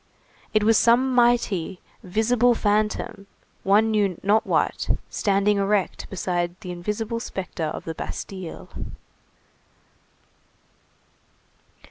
It was some mighty, visible phantom, one knew not what, standing erect beside the invisible spectre of the Bastille.